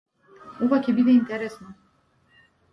Ова ќе биде интересно.